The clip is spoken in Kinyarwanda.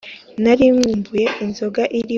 nari nkumbuye inzoga iri ho umuheha,